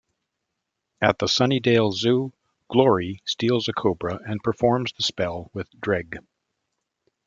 At the Sunnydale Zoo, Glory steals a cobra and performs the spell with Dreg.